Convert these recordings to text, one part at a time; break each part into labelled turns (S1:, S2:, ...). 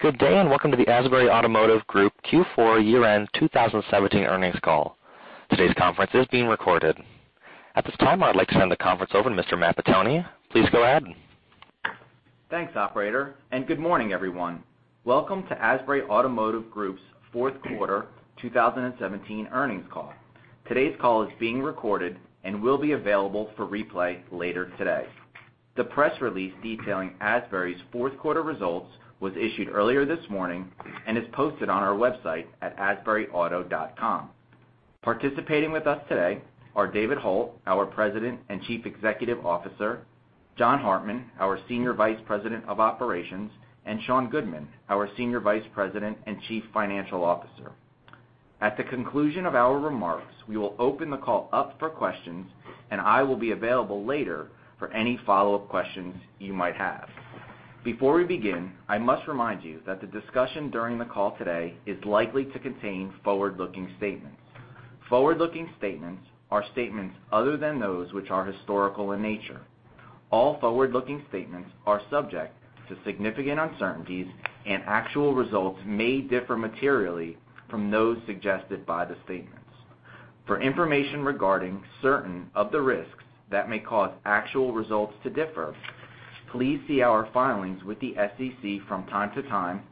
S1: Good day, welcome to the Asbury Automotive Group Q4 year-end 2017 earnings call. Today's conference is being recorded. At this time, I'd like to turn the conference over to Mr. Matt Pettoni. Please go ahead.
S2: Thanks, operator, good morning, everyone. Welcome to Asbury Automotive Group's fourth quarter 2017 earnings call. Today's call is being recorded and will be available for replay later today. The press release detailing Asbury's fourth quarter results was issued earlier this morning and is posted on our website at asburyauto.com. Participating with us today are David Hult, our President and Chief Executive Officer, John Hartman, our Senior Vice President of Operations, and Sean Goodman, our Senior Vice President and Chief Financial Officer. At the conclusion of our remarks, we will open the call up for questions, I will be available later for any follow-up questions you might have. Before we begin, I must remind you that the discussion during the call today is likely to contain forward-looking statements. Forward-looking statements are statements other than those which are historical in nature. All forward-looking statements are subject to significant uncertainties, actual results may differ materially from those suggested by the statements. For information regarding certain of the risks that may cause actual results to differ, please see our filings with the SEC from time to time,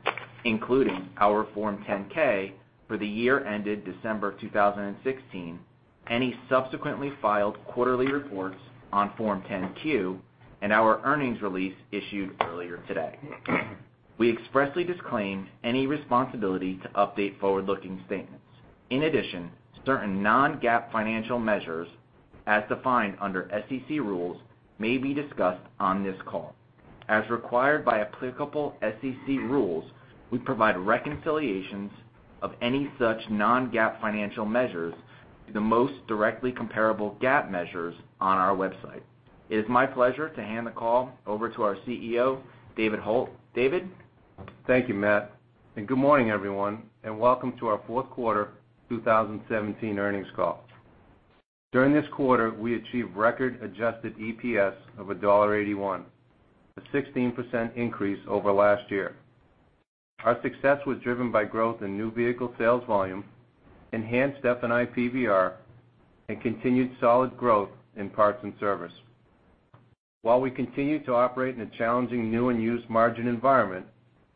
S2: including our Form 10-K for the year ended December 2016, any subsequently filed quarterly reports on Form 10-Q, and our earnings release issued earlier today. We expressly disclaim any responsibility to update forward-looking statements. In addition, certain non-GAAP financial measures, as defined under SEC rules, may be discussed on this call. As required by applicable SEC rules, we provide reconciliations of any such non-GAAP financial measures to the most directly comparable GAAP measures on our website. It is my pleasure to hand the call over to our CEO, David Hult. David?
S3: Thank you, Matt, good morning, everyone, welcome to our fourth quarter 2017 earnings call. During this quarter, we achieved record adjusted EPS of $1.81, a 16% increase over last year. Our success was driven by growth in new vehicle sales volume, enhanced F&I PBR, continued solid growth in parts and service. While we continue to operate in a challenging new and used margin environment,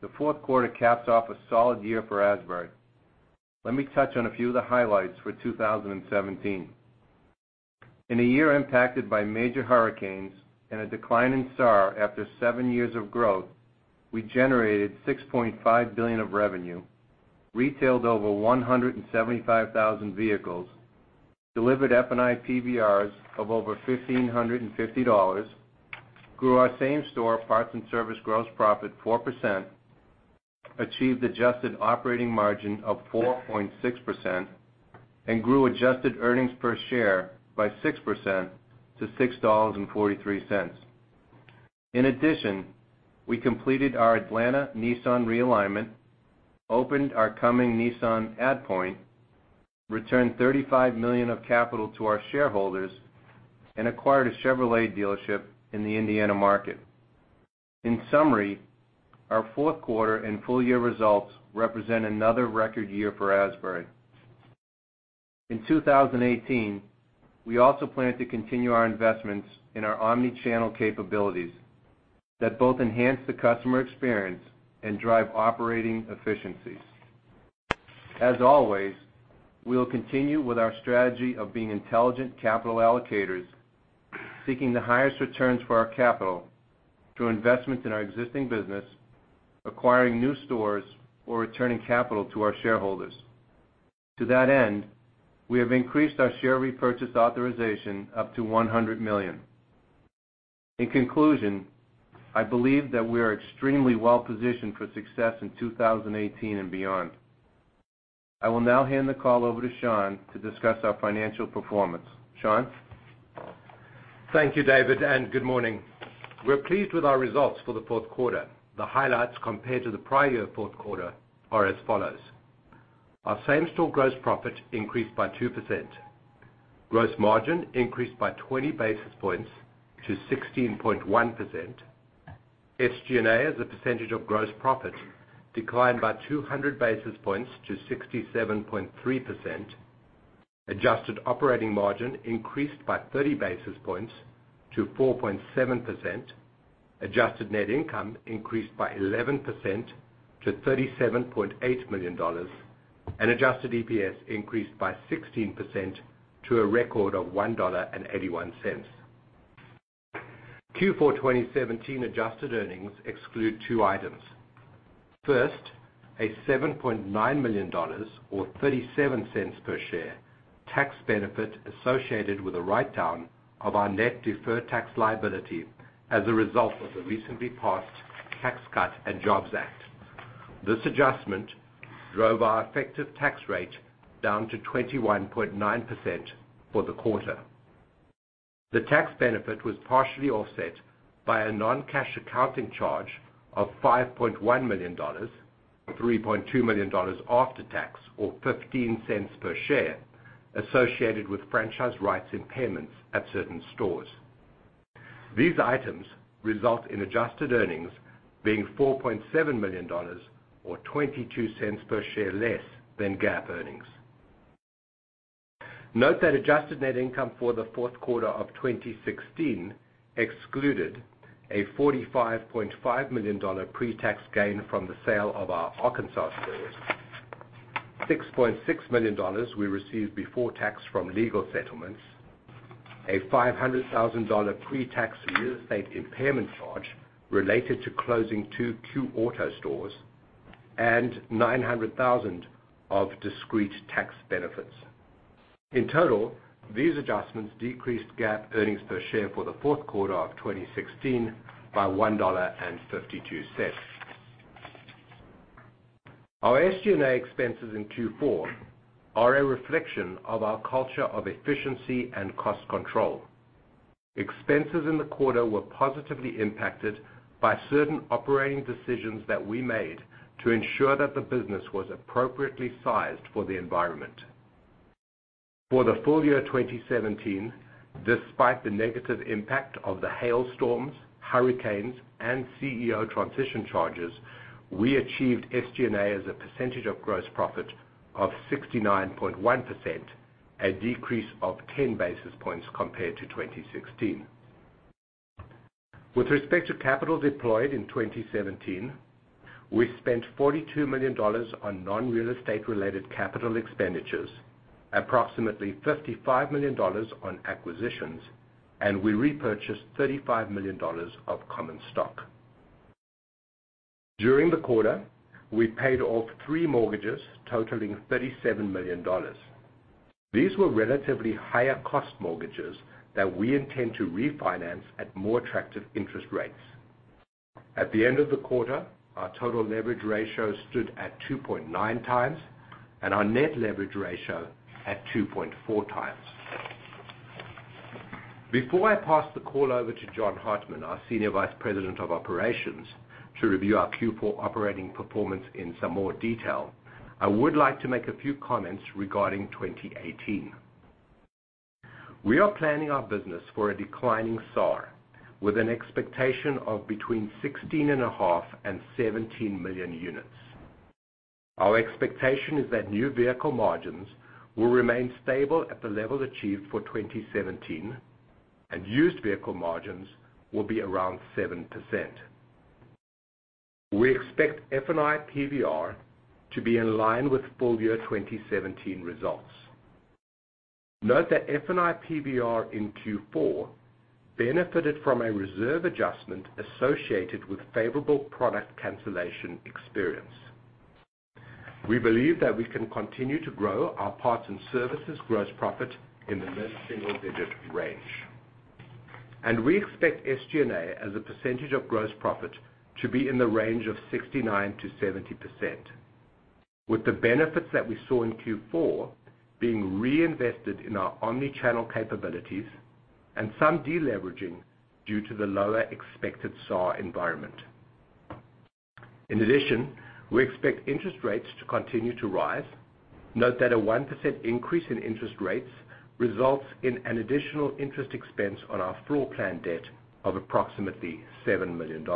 S3: the fourth quarter caps off a solid year for Asbury. Let me touch on a few of the highlights for 2017. In a year impacted by major hurricanes and a decline in SAAR after seven years of growth, we generated $6.5 billion of revenue, retailed over 175,000 vehicles, delivered F&I PBRs of over $1,550, grew our same store parts and service gross profit 4%, achieved adjusted operating margin of 4.6%, grew adjusted earnings per share by 6% to $6.43. In addition, we completed our Atlanta Nissan realignment, opened our Cumming Nissan add point, returned $35 million of capital to our shareholders, and acquired a Chevrolet dealership in the Indiana market. In summary, our fourth quarter and full year results represent another record year for Asbury. In 2018, we also plan to continue our investments in our omni-channel capabilities that both enhance the customer experience and drive operating efficiencies. As always, we will continue with our strategy of being intelligent capital allocators, seeking the highest returns for our capital through investments in our existing business, acquiring new stores, or returning capital to our shareholders. To that end, we have increased our share repurchase authorization up to $100 million. In conclusion, I believe that we are extremely well-positioned for success in 2018 and beyond. I will now hand the call over to Sean to discuss our financial performance. Sean?
S4: Thank you, David, and good morning. We're pleased with our results for the fourth quarter. The highlights compared to the prior year fourth quarter are as follows. Our same store gross profit increased by 2%. Gross margin increased by 20 basis points to 16.1%. SG&A, as a percentage of gross profit, declined by 200 basis points to 67.3%. Adjusted operating margin increased by 30 basis points to 4.7%. Adjusted net income increased by 11% to $37.8 million. Adjusted EPS increased by 16% to a record of $1.81. Q4 2017 adjusted earnings exclude two items. First, a $7.9 million, or $0.37 per share, tax benefit associated with a write-down of our net deferred tax liability as a result of the recently passed Tax Cuts and Jobs Act. This adjustment drove our effective tax rate down to 21.9% for the quarter. The tax benefit was partially offset by a non-cash accounting charge of $5.1 million, $3.2 million after tax, or $0.15 per share, associated with franchise rights and payments at certain stores. These items result in adjusted earnings being $4.7 million, or $0.22 per share less than GAAP earnings. Note that adjusted net income for the fourth quarter of 2016 excluded a $45.5 million pre-tax gain from the sale of our Arkansas stores, $6.6 million we received before tax from legal settlements, a $500,000 pre-tax real estate impairment charge related to closing two Q Auto stores, and $900,000 of discrete tax benefits. In total, these adjustments decreased GAAP earnings per share for the fourth quarter of 2016 by $1.52. Our SG&A expenses in Q4 are a reflection of our culture of efficiency and cost control. Expenses in the quarter were positively impacted by certain operating decisions that we made to ensure that the business was appropriately sized for the environment. For the full year 2017, despite the negative impact of the hailstorms, hurricanes, and CEO transition charges, we achieved SG&A as a percentage of gross profit of 69.1%, a decrease of 10 basis points compared to 2016. With respect to capital deployed in 2017, we spent $42 million on non-real estate related capital expenditures, approximately $55 million on acquisitions, and we repurchased $35 million of common stock. During the quarter, we paid off three mortgages totaling $37 million. These were relatively higher-cost mortgages that we intend to refinance at more attractive interest rates. At the end of the quarter, our total leverage ratio stood at 2.9 times and our net leverage ratio at 2.4 times. Before I pass the call over to John Hartman, our Senior Vice President of Operations, to review our Q4 operating performance in some more detail, I would like to make a few comments regarding 2018. We are planning our business for a declining SAAR with an expectation of between 16.5 million and 17 million units. Our expectation is that new vehicle margins will remain stable at the level achieved for 2017, and used vehicle margins will be around 7%. We expect F&I PVR to be in line with full year 2017 results. Note that F&I PVR in Q4 benefited from a reserve adjustment associated with favorable product cancellation experience. We believe that we can continue to grow our parts and services gross profit in the mid-single-digit range. We expect SG&A as a percentage of gross profit to be in the range of 69%-70%, with the benefits that we saw in Q4 being reinvested in our omni-channel capabilities and some de-leveraging due to the lower expected SAAR environment. In addition, we expect interest rates to continue to rise. Note that a 1% increase in interest rates results in an additional interest expense on our floorplan debt of approximately $7 million.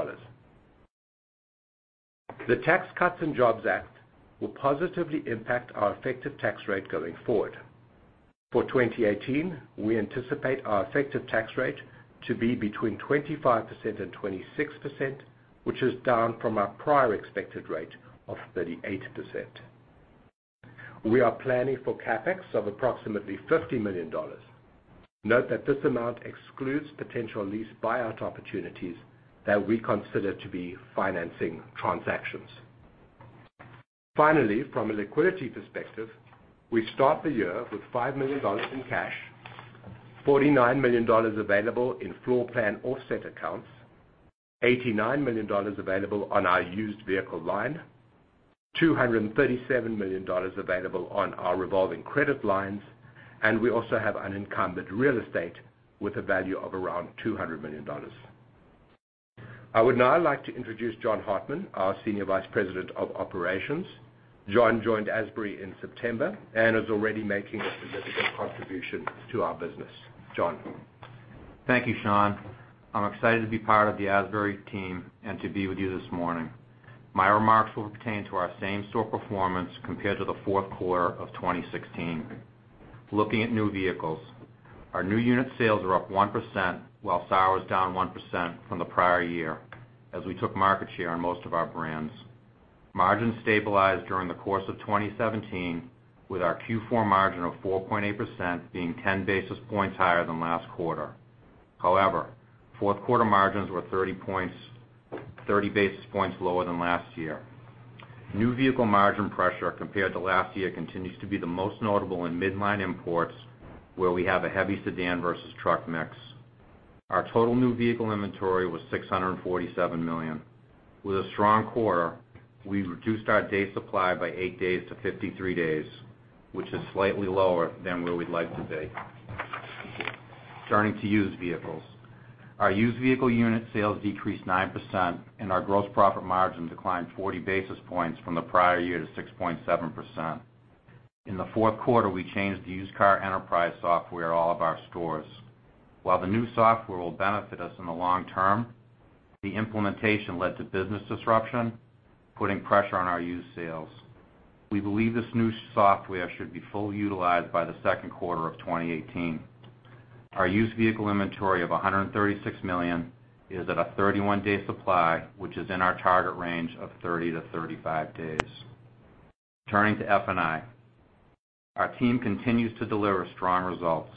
S4: The Tax Cuts and Jobs Act will positively impact our effective tax rate going forward. For 2018, we anticipate our effective tax rate to be between 25% and 26%, which is down from our prior expected rate of 38%. We are planning for CapEx of approximately $50 million. Note that this amount excludes potential lease buyout opportunities that we consider to be financing transactions. Finally, from a liquidity perspective, we start the year with $5 million in cash, $49 million available in floorplan offset accounts, $89 million available on our used vehicle line, $237 million available on our revolving credit lines, and we also have unencumbered real estate with a value of around $200 million. I would now like to introduce John Hartman, our Senior Vice President of Operations. John joined Asbury in September and is already making a significant contribution to our business. John?
S5: Thank you, Sean. I'm excited to be part of the Asbury team and to be with you this morning. My remarks will pertain to our same-store performance compared to the fourth quarter of 2016. Looking at new vehicles, our new unit sales are up 1%, while SAAR was down 1% from the prior year as we took market share on most of our brands. Margins stabilized during the course of 2017, with our Q4 margin of 4.8% being 10 basis points higher than last quarter. However, fourth quarter margins were 30 basis points lower than last year. New vehicle margin pressure compared to last year continues to be the most notable in midline imports, where we have a heavy sedan versus truck mix. Our total new vehicle inventory was $647 million. With a strong quarter, we reduced our day supply by eight days to 53 days, which is slightly lower than where we'd like to be. Turning to used vehicles. Our used vehicle unit sales decreased 9%, and our gross profit margin declined 40 basis points from the prior year to 6.7%. In the fourth quarter, we changed the used car enterprise software at all of our stores. While the new software will benefit us in the long term, the implementation led to business disruption, putting pressure on our used sales. We believe this new software should be fully utilized by the second quarter of 2018. Our used vehicle inventory of $136 million is at a 31-day supply, which is in our target range of 30-35 days. Turning to F&I. Our team continues to deliver strong results.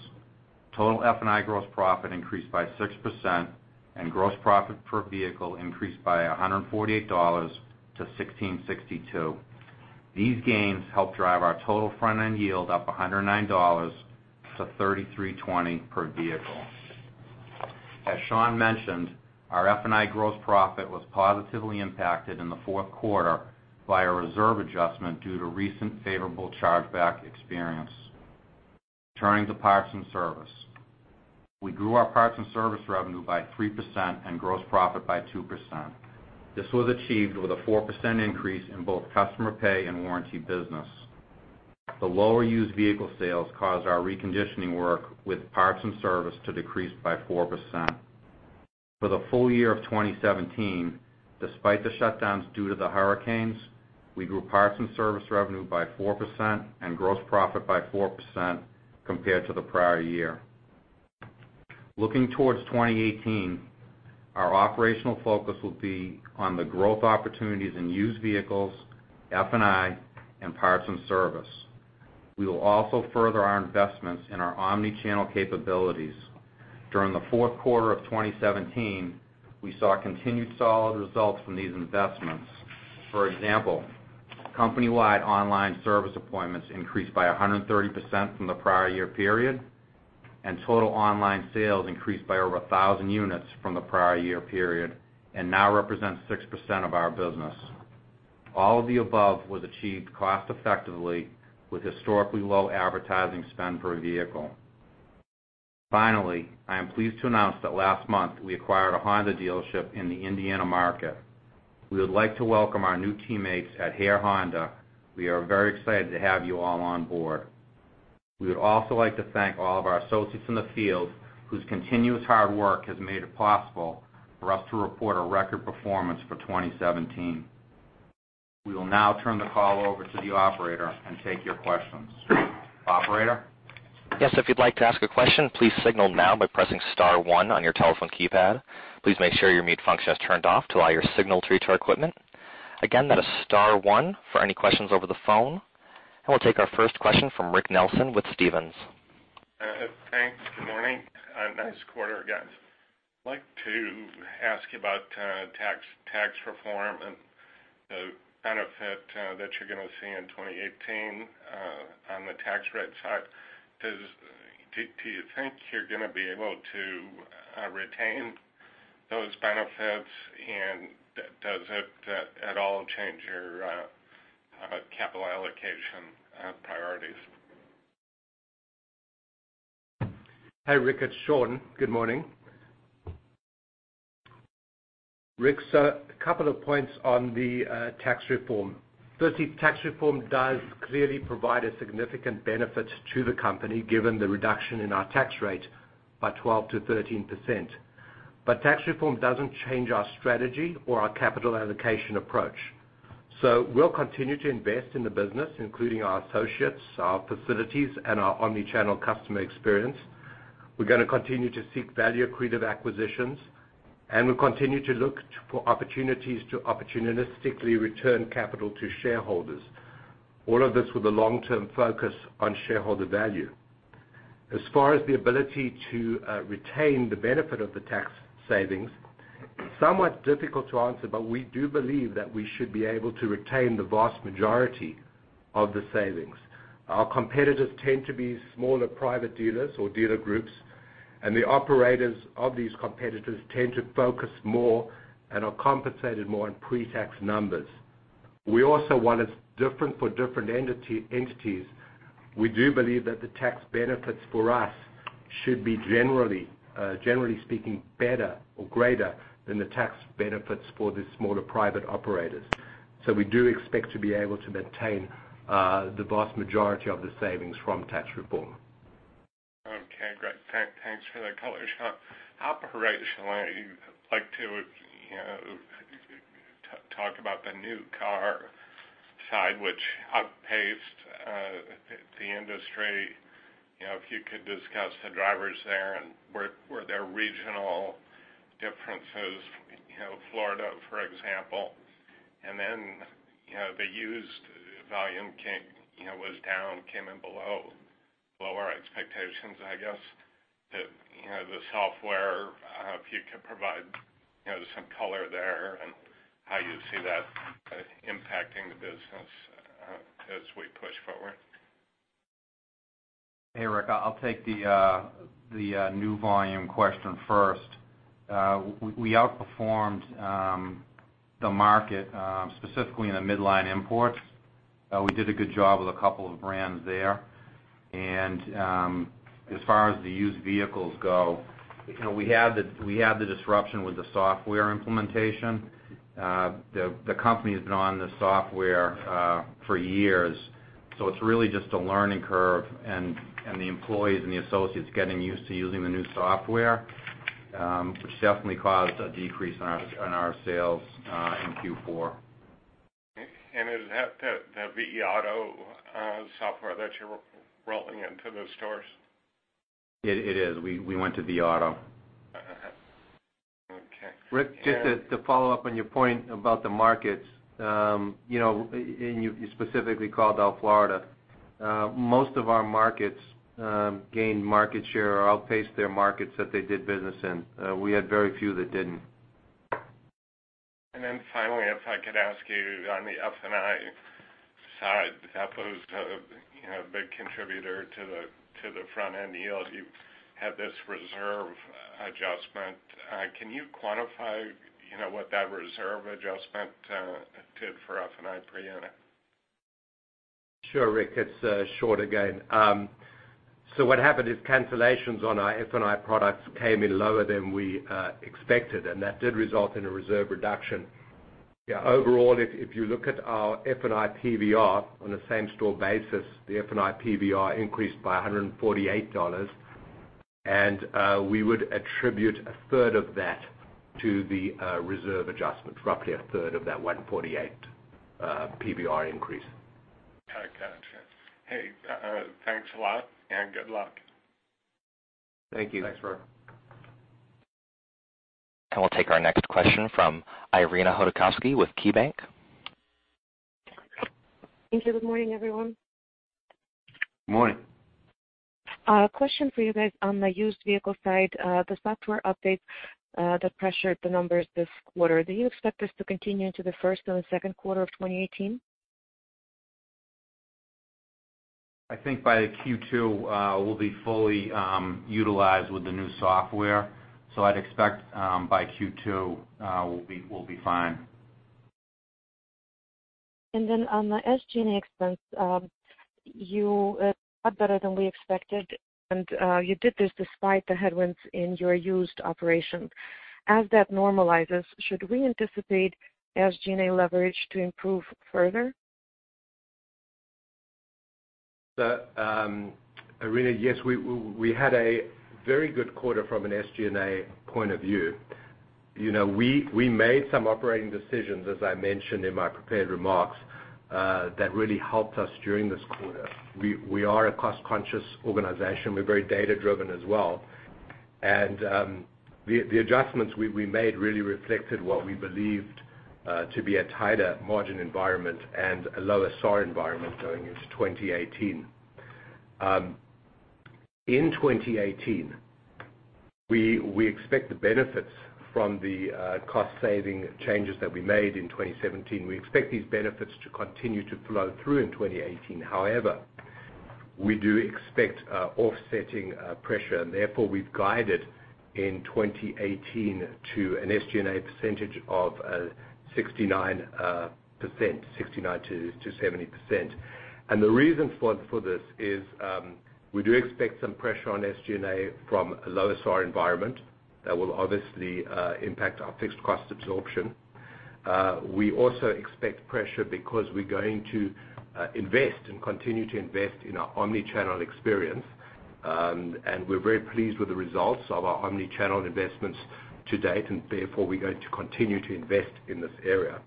S5: Total F&I gross profit increased by 6%, and gross profit per vehicle increased by $148 to $1,662. These gains helped drive our total front-end yield up $109 to $3,320 per vehicle. As Sean mentioned, our F&I gross profit was positively impacted in the fourth quarter by a reserve adjustment due to recent favorable chargeback experience. Turning to parts and service. We grew our parts and service revenue by 3% and gross profit by 2%. This was achieved with a 4% increase in both customer pay and warranty business. The lower used vehicle sales caused our reconditioning work with parts and service to decrease by 4%. For the full year of 2017, despite the shutdowns due to the hurricanes, we grew parts and service revenue by 4% and gross profit by 4% compared to the prior year. Looking towards 2018, our operational focus will be on the growth opportunities in used vehicles, F&I, and parts and service. We will also further our investments in our omni-channel capabilities. During the fourth quarter of 2017, we saw continued solid results from these investments. For example, company-wide online service appointments increased by 130% from the prior year period, and total online sales increased by over 1,000 units from the prior year period and now represents 6% of our business. All of the above was achieved cost effectively with historically low advertising spend per vehicle. Finally, I am pleased to announce that last month we acquired a Honda dealership in the Indiana market. We would like to welcome our new teammates at Hare Honda. We are very excited to have you all on board. We would also like to thank all of our associates in the field whose continuous hard work has made it possible for us to report a record performance for 2017. We will now turn the call over to the operator and take your questions. Operator?
S1: Yes, if you'd like to ask a question, please signal now by pressing star one on your telephone keypad. Please make sure your mute function is turned off to allow your signal to reach our equipment. Again, that is star one for any questions over the phone. We'll take our first question from Rick Nelson with Stephens.
S6: Thanks. Good morning. Nice quarter, guys. I'd like to ask you about tax reform and the benefit that you're going to see in 2018 on the tax rate side. Do you think you're going to be able to retain those benefits, and does it at all change your capital allocation priorities?
S4: Hi, Rick, it's Sean. Good morning. Rick, a couple of points on the tax reform. Firstly, tax reform does clearly provide a significant benefit to the company given the reduction in our tax rate by 12%-13%. Tax reform doesn't change our strategy or our capital allocation approach. We'll continue to invest in the business, including our associates, our facilities, and our omni-channel customer experience. We're going to continue to seek value-accretive acquisitions, and we'll continue to look for opportunities to opportunistically return capital to shareholders. All of this with a long-term focus on shareholder value. As far as the ability to retain the benefit of the tax savings, somewhat difficult to answer, we do believe that we should be able to retain the vast majority of the savings. Our competitors tend to be smaller private dealers or dealer groups. The operators of these competitors tend to focus more and are compensated more on pre-tax numbers. We also while it's different for different entities, we do believe that the tax benefits for us should be, generally speaking, better or greater than the tax benefits for the smaller private operators. We do expect to be able to maintain the vast majority of the savings from tax reform.
S6: Okay, great. Thanks for the color, Sean. Operationally, I'd like to talk about the new car side, which outpaced the industry. If you could discuss the drivers there and were there regional differences, Florida, for example. The used volume was down, came in below our expectations, I guess. The software, if you could provide some color there and how you see that impacting the business as we push forward.
S5: Hey, Rick. I'll take the new volume question first. We outperformed the market, specifically in the midline imports. We did a good job with a couple of brands there. As far as the used vehicles go, we had the disruption with the software implementation. The company has been on this software for years. It's really just a learning curve and the employees and the associates getting used to using the new software, which definitely caused a decrease in our sales in Q4.
S6: Is that the vAuto software that you're rolling into those stores?
S5: It is. We went to vAuto.
S6: Okay.
S3: Rick, just to follow up on your point about the markets. You specifically called out Florida. Most of our markets gained market share or outpaced their markets that they did business in. We had very few that didn't.
S6: Finally, if I could ask you on the F&I side, that was a big contributor to the front-end yield. You had this reserve adjustment. Can you quantify what that reserve adjustment did for F&I per unit?
S4: Sure, Rick. It's short again. What happened is cancellations on our F&I products came in lower than we expected. That did result in a reserve reduction. Overall, if you look at our F&I PVR on a same store basis, the F&I PVR increased by $148. We would attribute a third of that to the reserve adjustment, roughly a third of that 148 PVR increase.
S6: Got you. Hey, thanks a lot, good luck.
S4: Thank you.
S5: Thanks, Rick.
S1: We'll take our next question from Irina Hodakovsky with KeyBanc.
S7: Thank you. Good morning, everyone.
S4: Morning.
S7: A question for you guys on the used vehicle side. The software update that pressured the numbers this quarter, do you expect this to continue into the first and the second quarter of 2018?
S5: I think by Q2, we'll be fully utilized with the new software. I'd expect by Q2 we'll be fine.
S7: On the SG&A expense, you did a lot better than we expected, and you did this despite the headwinds in your used operations. As that normalizes, should we anticipate SG&A leverage to improve further?
S4: Irina, yes, we had a very good quarter from an SG&A point of view. We made some operating decisions, as I mentioned in my prepared remarks, that really helped us during this quarter. We are a cost-conscious organization. We're very data-driven as well. The adjustments we made really reflected what we believed to be a tighter margin environment and a lower SAAR environment going into 2018. In 2018, we expect the benefits from the cost-saving changes that we made in 2017. We expect these benefits to continue to flow through in 2018. However, we do expect offsetting pressure, we've guided in 2018 to an SG&A percentage of 69%-70%. The reason for this is we do expect some pressure on SG&A from a lower SAR environment that will obviously impact our fixed cost absorption. We also expect pressure because we're going to invest and continue to invest in our omni-channel experience. We're very pleased with the results of our omni-channel investments to date. Therefore, we're going to continue to invest in this area.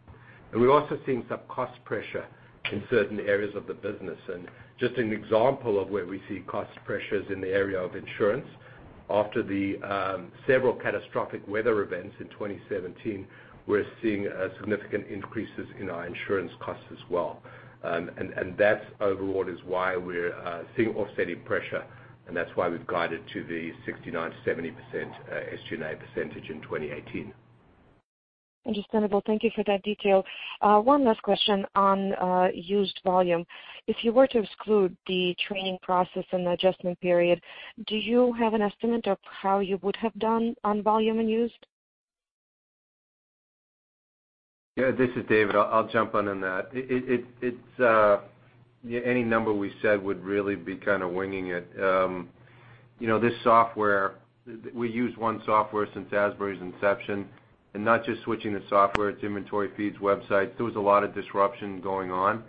S4: We're also seeing some cost pressure in certain areas of the business. Just an example of where we see cost pressures in the area of insurance. After the several catastrophic weather events in 2017, we're seeing significant increases in our insurance costs as well. That overall is why we're seeing offsetting pressure, and that's why we've guided to the 69%-70% SG&A percentage in 2018.
S7: Understandable. Thank you for that detail. One last question on used volume. If you were to exclude the training process and the adjustment period, do you have an estimate of how you would have done on volume in used?
S3: This is David. I'll jump in on that. Any number we said would really be kind of winging it. This software, we used one software since Asbury's inception. Not just switching the software, it's inventory feeds, websites. There was a lot of disruption going on.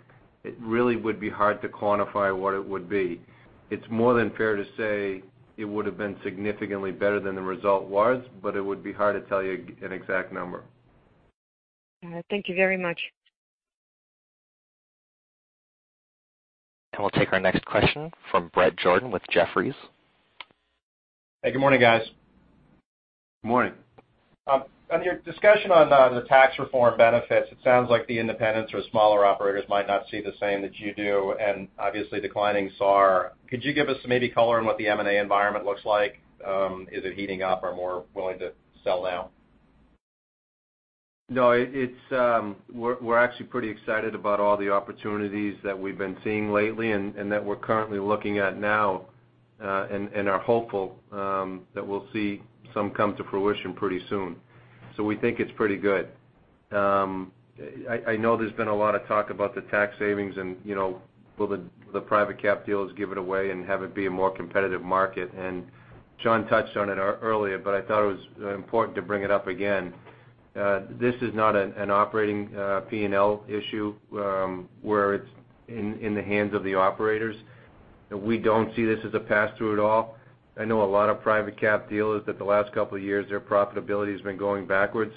S3: It really would be hard to quantify what it would be. It's more than fair to say it would have been significantly better than the result was, but it would be hard to tell you an exact number.
S7: All right. Thank you very much.
S1: We'll take our next question from Bret Jordan with Jefferies.
S8: Hey, good morning, guys.
S4: Good morning.
S8: On your discussion on the tax reform benefits, it sounds like the independents or smaller operators might not see the same that you do, and obviously declining SAR. Could you give us some maybe color on what the M&A environment looks like? Is it heating up? Are more willing to sell now?
S5: No, we're actually pretty excited about all the opportunities that we've been seeing lately and that we're currently looking at now.
S3: Are hopeful that we'll see some come to fruition pretty soon. We think it's pretty good. I know there's been a lot of talk about the tax savings and will the private cap deals give it away and have it be a more competitive market? John touched on it earlier, but I thought it was important to bring it up again. This is not an operating P&L issue, where it's in the hands of the operators. We don't see this as a pass-through at all. I know a lot of private cap dealers that the last couple of years, their profitability has been going backwards.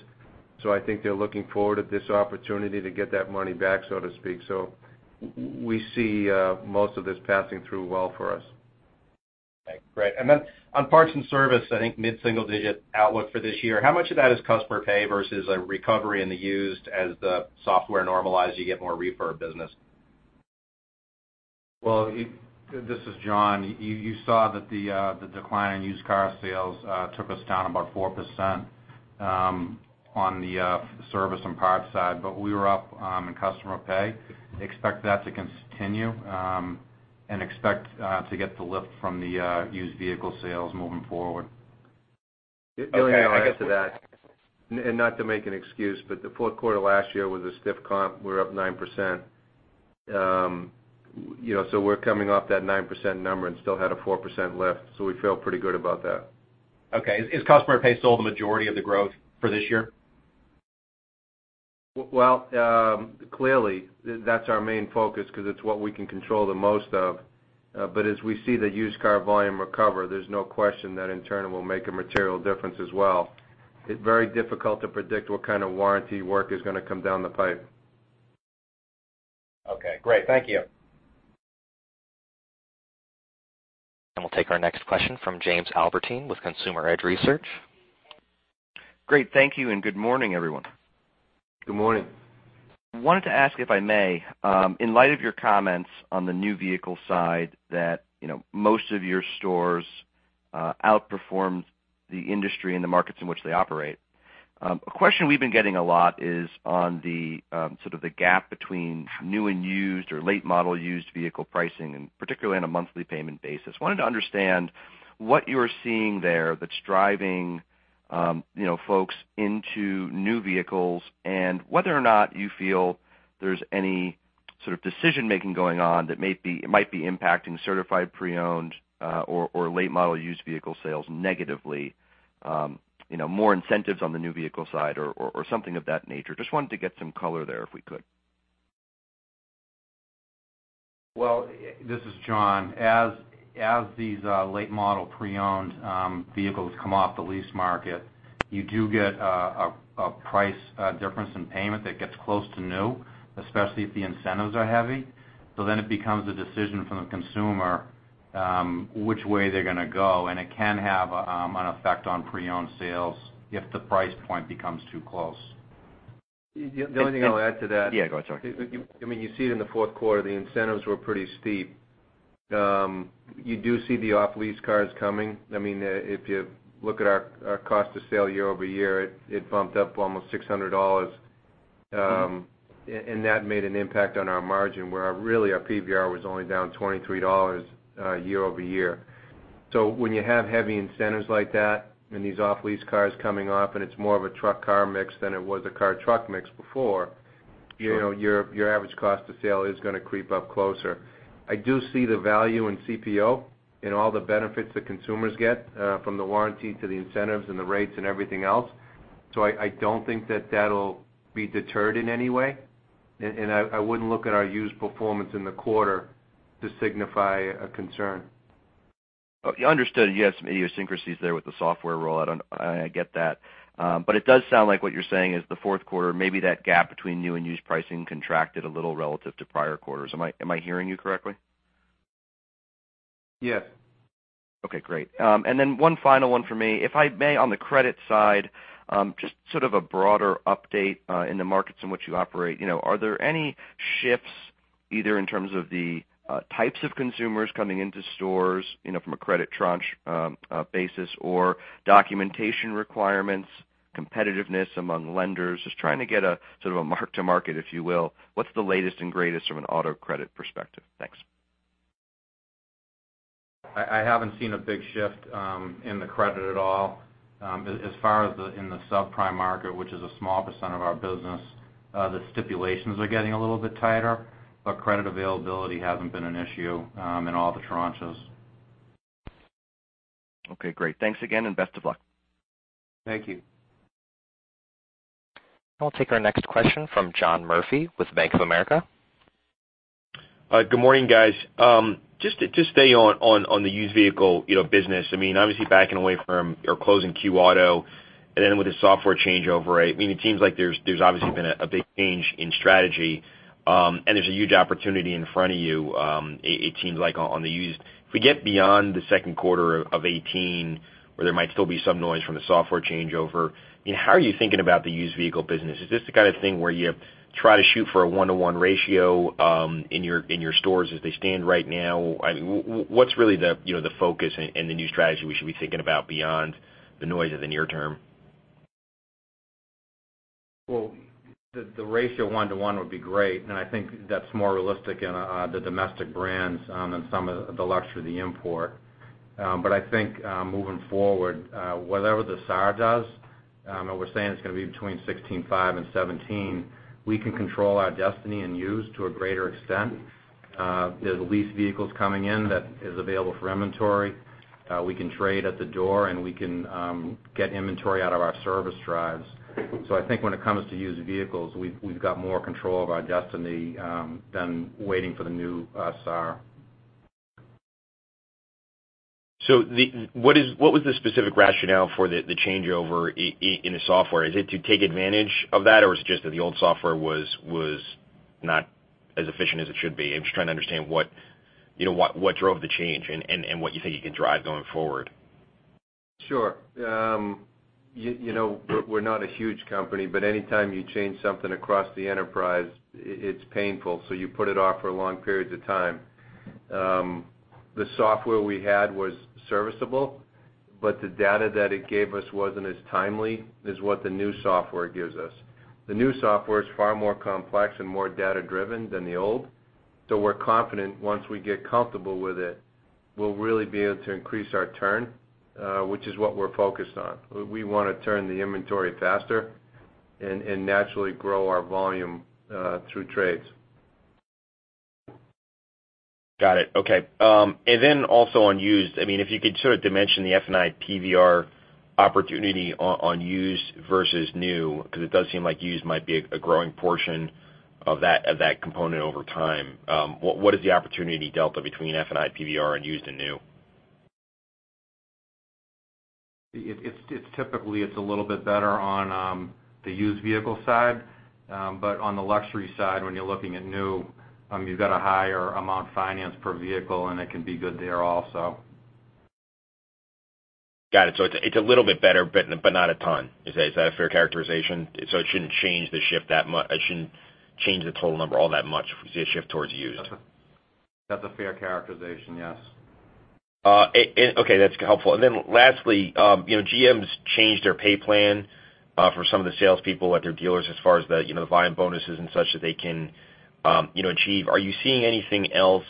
S3: I think they're looking forward at this opportunity to get that money back, so to speak. We see most of this passing through well for us.
S8: Right. Great. Then on parts and service, I think mid-single digit outlook for this year. How much of that is customer pay versus a recovery in the used as the software normalizes, you get more refurb business?
S5: Well, this is John. You saw that the decline in used car sales took us down about 4% on the service and parts side. We were up in customer pay. Expect that to continue and expect to get the lift from the used vehicle sales moving forward.
S3: The only thing I'll add to that, not to make an excuse, the fourth quarter last year was a stiff comp. We were up 9%. We're coming off that 9% number and still had a 4% lift. We feel pretty good about that.
S8: Okay. Is customer pay still the majority of the growth for this year?
S3: Well, clearly, that's our main focus because it's what we can control the most of. As we see the used car volume recover, there's no question that in turn it will make a material difference as well. It's very difficult to predict what kind of warranty work is going to come down the pipe.
S8: Okay, great. Thank you.
S1: We'll take our next question from James Albertine with Consumer Edge Research.
S9: Great. Thank you and good morning, everyone.
S3: Good morning.
S9: I wanted to ask, if I may, in light of your comments on the new vehicle side that most of your stores outperformed the industry in the markets in which they operate. A question we've been getting a lot is on the sort of the gap between new and used or late-model used vehicle pricing, and particularly on a monthly payment basis. I wanted to understand what you are seeing there that's driving folks into new vehicles and whether or not you feel there's any sort of decision-making going on that might be impacting certified pre-owned or late-model used vehicle sales negatively. More incentives on the new vehicle side or something of that nature. I just wanted to get some color there if we could.
S5: Well, this is John. As these late-model pre-owned vehicles come off the lease market, you do get a price difference in payment that gets close to new, especially if the incentives are heavy. It becomes a decision from the consumer which way they're going to go, and it can have an effect on pre-owned sales if the price point becomes too close.
S3: The only thing I'll add to that.
S9: Yeah, go ahead. Sorry.
S3: You see it in the fourth quarter, the incentives were pretty steep. You do see the off-lease cars coming. If you look at our cost of sale year-over-year, it bumped up almost $600, and that made an impact on our margin, where really our PVR was only down $23 year-over-year. When you have heavy incentives like that and these off-lease cars coming off, and it's more of a truck-car mix than it was a car-truck mix before, your average cost of sale is going to creep up closer. I do see the value in CPO and all the benefits that consumers get from the warranty to the incentives and the rates and everything else. I don't think that that'll be deterred in any way. I wouldn't look at our used performance in the quarter to signify a concern.
S9: Understood. You have some idiosyncrasies there with the software rollout, and I get that. It does sound like what you're saying is the fourth quarter, maybe that gap between new and used pricing contracted a little relative to prior quarters. Am I hearing you correctly?
S3: Yes.
S9: Okay, great. One final one for me, if I may, on the credit side, just sort of a broader update in the markets in which you operate. Are there any shifts, either in terms of the types of consumers coming into stores from a credit tranche basis or documentation requirements, competitiveness among lenders? Just trying to get a sort of a mark to market, if you will. What's the latest and greatest from an auto credit perspective? Thanks.
S5: I haven't seen a big shift in the credit at all. As far as in the subprime market, which is a small percent of our business, the stipulations are getting a little bit tighter, credit availability hasn't been an issue in all the tranches.
S9: Okay, great. Thanks again and best of luck.
S3: Thank you.
S1: I'll take our next question from John Murphy with Bank of America.
S10: Good morning, guys. Just to stay on the used vehicle business, obviously backing away from or closing Q Auto and then with the software changeover, it seems like there's obviously been a big change in strategy. There's a huge opportunity in front of you it seems like on the used. If we get beyond the second quarter of 2018 where there might still be some noise from the software changeover, how are you thinking about the used vehicle business? Is this the kind of thing where you try to shoot for a one-to-one ratio in your stores as they stand right now? What's really the focus and the new strategy we should be thinking about beyond the noise of the near term?
S5: Well, the ratio one-to-one would be great, and I think that's more realistic in the domestic brands than some of the luxury, the import. I think, moving forward, whatever the SAAR does, and we're saying it's going to be between 16.5 and 17, we can control our destiny in used to a greater extent. There's leased vehicles coming in that is available for inventory. We can trade at the door, and we can get inventory out of our service drives. I think when it comes to used vehicles, we've got more control of our destiny than waiting for the new SAAR.
S10: What was the specific rationale for the changeover in the software? Is it to take advantage of that, or is it just that the old software was not as efficient as it should be? I'm just trying to understand what drove the change and what you think you can drive going forward.
S5: Sure. We're not a huge company, anytime you change something across the enterprise, it's painful, you put it off for long periods of time. The software we had was serviceable, the data that it gave us wasn't as timely as what the new software gives us. The new software is far more complex and more data-driven than the old. We're confident once we get comfortable with it, we'll really be able to increase our turn, which is what we're focused on. We want to turn the inventory faster and naturally grow our volume through trades.
S10: Got it. Okay. Then also on used, if you could sort of dimension the F&I PVR opportunity on used versus new, because it does seem like used might be a growing portion of that component over time. What is the opportunity delta between F&I PVR and used and new?
S5: It's typically a little bit better on the used vehicle side. On the luxury side, when you're looking at new, you've got a higher amount financed per vehicle, and it can be good there also.
S10: Got it. It's a little bit better, but not a ton. Is that a fair characterization? It shouldn't change the total number all that much if we see a shift towards used.
S5: That's a fair characterization, yes.
S10: Okay. That's helpful. Lastly, GM's changed their pay plan for some of the salespeople at their dealers as far as the volume bonuses and such that they can achieve. Are you seeing anything else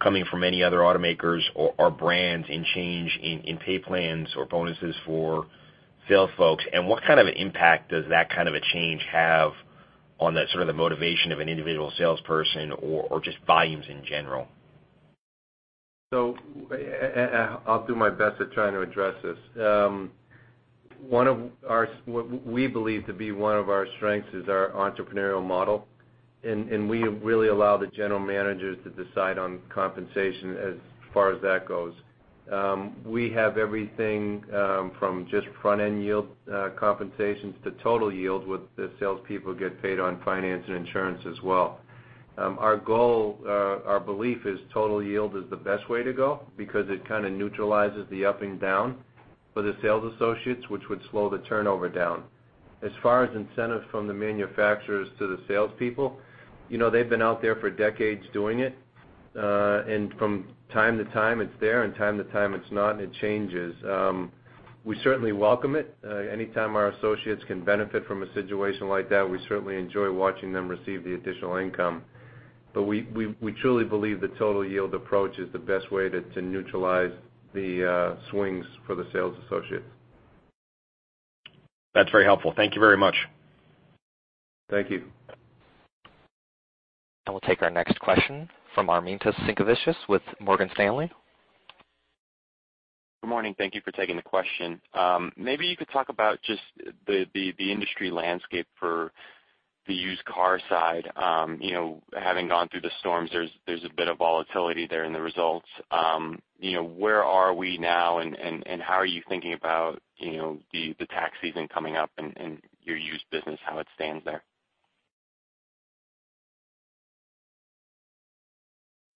S10: coming from any other automakers or brands in change in pay plans or bonuses for sales folks? What kind of impact does that kind of a change have on the sort of the motivation of an individual salesperson or just volumes in general?
S5: I'll do my best at trying to address this. What we believe to be one of our strengths is our entrepreneurial model, we really allow the general managers to decide on compensation as far as that goes. We have everything from just front-end yield compensations to total yield with the salespeople get paid on finance and insurance as well. Our belief is total yield is the best way to go because it kind of neutralizes the up and down for the sales associates, which would slow the turnover down. As far as incentives from the manufacturers to the salespeople, they've been out there for decades doing it. From time to time it's there, and time to time it's not, and it changes. We certainly welcome it. Anytime our associates can benefit from a situation like that, we certainly enjoy watching them receive the additional income.
S3: We truly believe the total yield approach is the best way to neutralize the swings for the sales associates.
S10: That's very helpful. Thank you very much.
S5: Thank you.
S1: I will take our next question from Armintas Sinkevicius with Morgan Stanley.
S11: Good morning. Thank you for taking the question. Maybe you could talk about just the industry landscape for the used car side. Having gone through the storms, there's a bit of volatility there in the results. Where are we now and how are you thinking about the tax season coming up and your used business, how it stands there?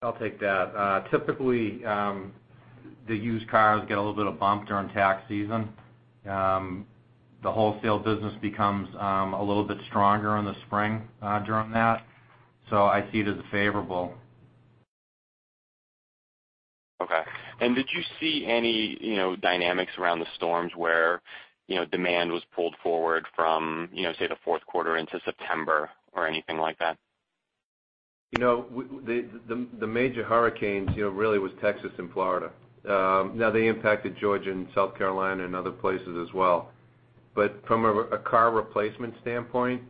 S5: I'll take that. Typically, the used cars get a little bit of bump during tax season. The wholesale business becomes a little bit stronger in the spring during that. I see it as favorable.
S11: Okay. Did you see any dynamics around the storms where demand was pulled forward from, say, the fourth quarter into September or anything like that?
S5: The major hurricanes really was Texas and Florida. They impacted Georgia and South Carolina and other places as well. From a car replacement standpoint,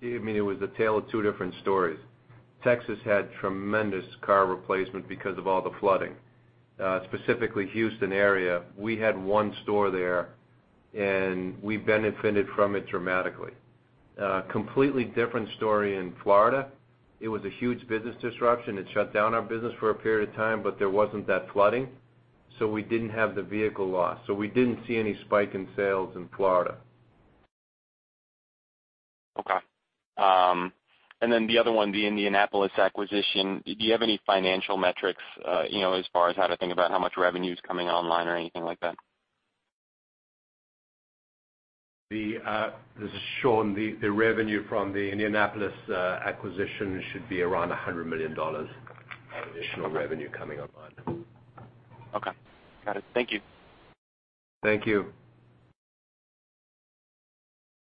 S5: it was a tale of two different stories. Texas had tremendous car replacement because of all the flooding, specifically Houston area. We had one store there and we benefited from it dramatically. A completely different story in Florida. It was a huge business disruption. It shut down our business for a period of time, but there wasn't that flooding, so we didn't have the vehicle loss. We didn't see any spike in sales in Florida.
S11: Okay. The other one, the Indianapolis acquisition, do you have any financial metrics, as far as how to think about how much revenue is coming online or anything like that?
S4: This is Sean. The revenue from the Indianapolis acquisition should be around $100 million of additional revenue coming online.
S11: Okay. Got it. Thank you.
S3: Thank you.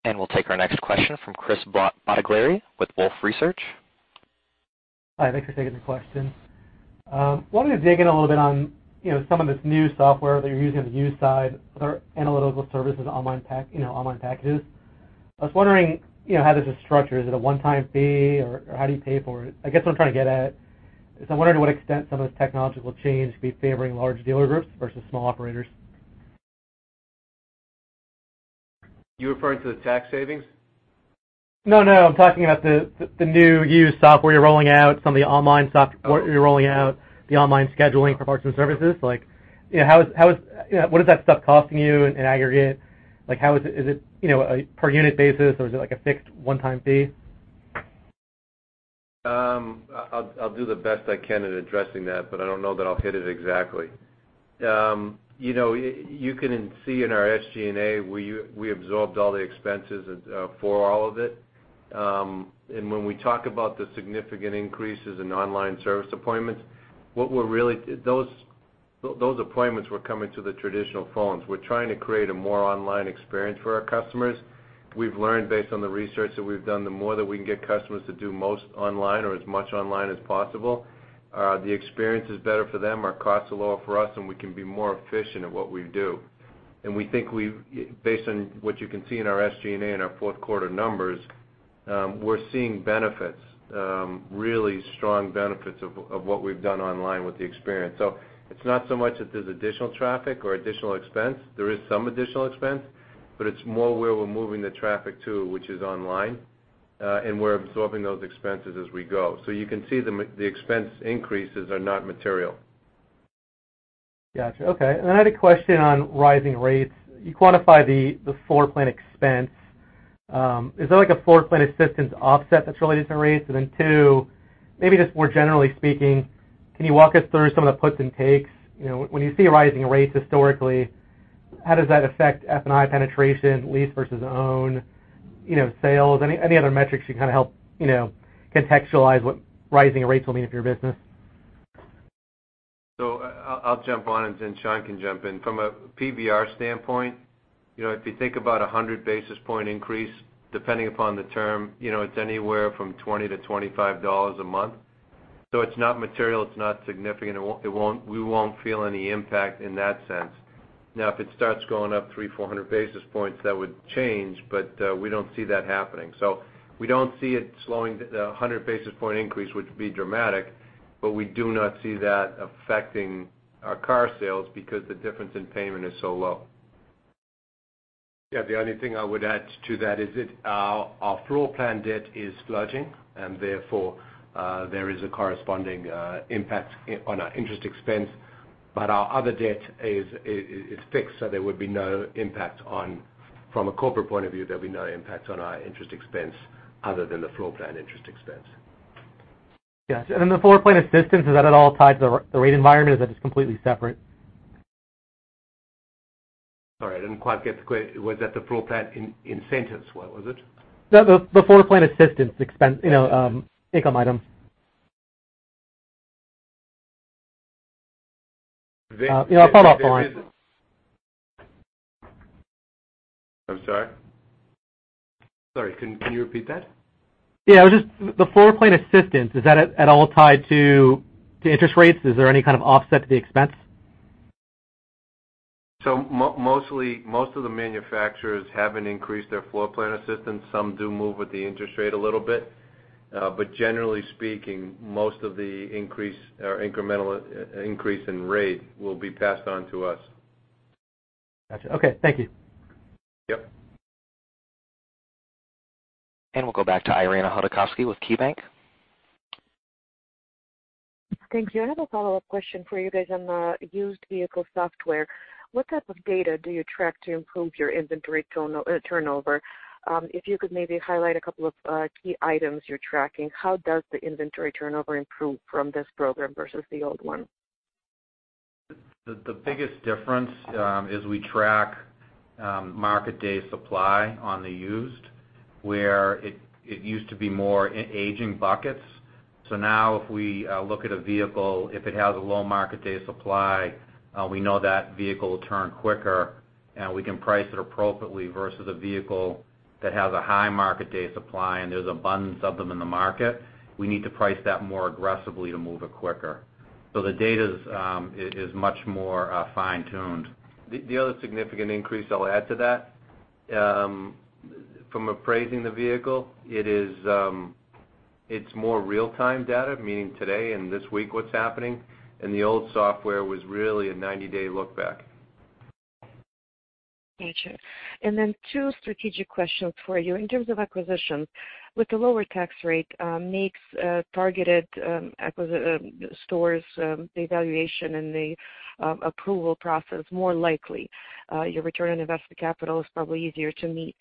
S1: We'll take our next question from Chris Bottiglieri with Wolfe Research.
S12: Hi, thanks for taking the question. Wanted to dig in a little bit on some of this new software that you're using on the used side with your analytical services online packages. I was wondering how this is structured. Is it a one-time fee or how do you pay for it? I guess what I'm trying to get at is I'm wondering to what extent some of this technological change will be favoring large dealer groups versus small operators.
S3: You're referring to the tax savings?
S12: No, no. I'm talking about the new used software you're rolling out, some of the online software you're rolling out, the online scheduling for parts and services. What is that stuff costing you in aggregate? Is it a per unit basis, or is it like a fixed one-time fee?
S3: I'll do the best I can at addressing that, but I don't know that I'll hit it exactly. You can see in our SG&A, we absorbed all the expenses for all of it. When we talk about the significant increases in online service appointments, those appointments were coming to the traditional phones. We're trying to create a more online experience for our customers. We've learned based on the research that we've done, the more that we can get customers to do most online or as much online as possible, the experience is better for them, our costs are lower for us, and we can be more efficient at what we do. We think based on what you can see in our SG&A and our fourth quarter numbers, we're seeing benefits, really strong benefits of what we've done online with the experience. It's not so much that there's additional traffic or additional expense. There is some additional expense, but it's more where we're moving the traffic to, which is online. We're absorbing those expenses as we go. You can see the expense increases are not material.
S12: Got you. Okay. I had a question on rising rates. You quantify the floor plan expense. Is there like a floor plan assistance offset that's related to rates? Then two, maybe just more generally speaking, can you walk us through some of the puts and takes? When you see rising rates historically, how does that affect F&I penetration, lease versus own, sales, any other metrics you kind of help contextualize what rising rates will mean for your business?
S3: I'll jump on and then Sean can jump in. From a PVR standpoint, if you think about a 100 basis point increase, depending upon the term, it's anywhere from $20 to $25 a month. It's not material, it's not significant. We won't feel any impact in that sense. Now, if it starts going up 300, 400 basis points, that would change, but we don't see that happening. We don't see it slowing. The 100 basis point increase would be dramatic, but we do not see that affecting our car sales because the difference in payment is so low.
S4: Yeah, the only thing I would add to that is that our floor plan debt is floating. Therefore, there is a corresponding impact on our interest expense. Our other debt is fixed, so there would be no impact from a corporate point of view. There'll be no impact on our interest expense other than the floor plan interest expense.
S12: Got you. Then the floor plan assistance, is that at all tied to the rate environment or is that just completely separate?
S4: Sorry, I didn't quite get the question. Was that the floor plan incentives? What was it?
S12: No, the floor plan assistance expense, income item. I'll follow up.
S3: I'm sorry?
S4: Sorry, can you repeat that?
S12: The floor plan assistance, is that at all tied to interest rates? Is there any kind of offset to the expense?
S3: Most of the manufacturers haven't increased their floor plan assistance. Some do move with the interest rate a little bit. Generally speaking, most of the incremental increase in rate will be passed on to us.
S12: Got you. Okay. Thank you.
S3: Yep.
S1: We'll go back to Irina Hodakovsky with KeyBanc Capital Markets.
S7: Thank you. I have a follow-up question for you guys on the used vehicle software. What type of data do you track to improve your inventory turnover? If you could maybe highlight a couple of key items you're tracking, how does the inventory turnover improve from this program versus the old one?
S3: The biggest difference is we track market day supply on the used, where it used to be more aging buckets. Now if we look at a vehicle, if it has a low market day supply, we know that vehicle will turn quicker and we can price it appropriately versus a vehicle that has a high market day supply and there's abundance of them in the market. We need to price that more aggressively to move it quicker. The data is much more fine-tuned. The other significant increase I'll add to that from appraising the vehicle, it's more real-time data, meaning today and this week what's happening. The old software was really a 90-day look back.
S7: Got you. Two strategic questions for you. In terms of acquisitions, with the lower tax rate, makes targeted stores, the evaluation, and the approval process more likely. Your return on invested capital is probably easier to meet.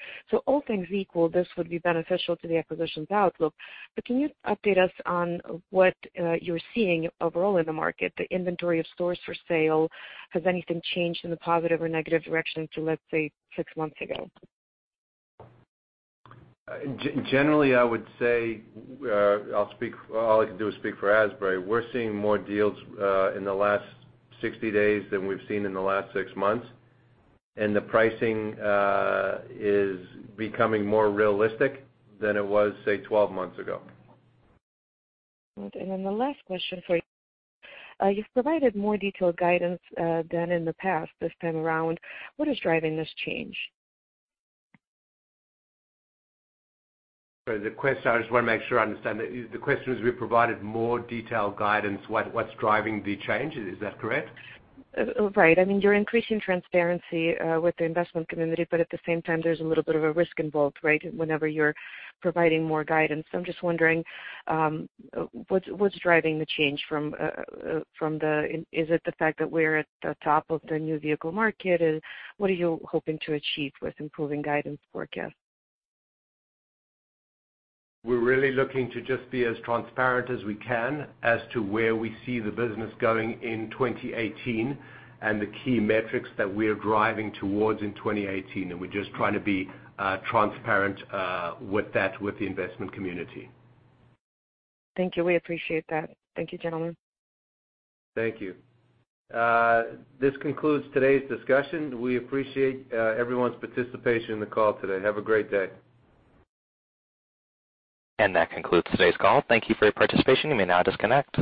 S7: All things equal, this would be beneficial to the acquisitions outlook. Can you update us on what you're seeing overall in the market, the inventory of stores for sale? Has anything changed in the positive or negative direction to, let's say, six months ago?
S3: Generally, I would say, all I can do is speak for Asbury. We're seeing more deals in the last 60 days than we've seen in the last six months. The pricing is becoming more realistic than it was, say, 12 months ago.
S7: The last question for you. You've provided more detailed guidance than in the past this time around. What is driving this change?
S4: Sorry, the question, I just want to make sure I understand that. The question is, we've provided more detailed guidance. What's driving the change? Is that correct?
S7: Right. I mean, you're increasing transparency with the investment community, at the same time, there's a little bit of a risk involved, right? Whenever you're providing more guidance. I'm just wondering what's driving the change. Is it the fact that we're at the top of the new vehicle market? What are you hoping to achieve with improving guidance forecast?
S4: We're really looking to just be as transparent as we can as to where we see the business going in 2018 and the key metrics that we're driving towards in 2018. We're just trying to be transparent with that with the investment community.
S7: Thank you. We appreciate that. Thank you, gentlemen.
S3: Thank you. This concludes today's discussion. We appreciate everyone's participation in the call today. Have a great day.
S1: That concludes today's call. Thank you for your participation. You may now disconnect.